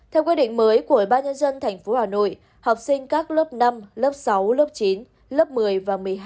theo quy định mới của ubnd tp hà nội học sinh các lớp năm lớp sáu lớp chín lớp một mươi và một mươi hai